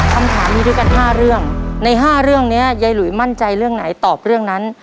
คำถามมีด้วยกัน๕เรื่องใน๕เรื่องนี้ยายหลุยมั่นใจเรื่องไหนตอบเรื่องนั้น